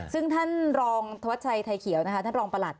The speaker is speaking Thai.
ซึ่งท่านรองธวัชชัยไทยเขียวนะคะท่านรองประหลัด